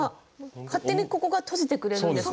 勝手にここが閉じてくれるんですね。